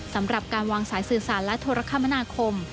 สำหรับการวางสายสื่อสารและโทรคมนาคม